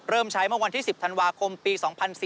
เริ่มใช้เมื่อวันที่๑๐ธันวาคมปี๒๔๔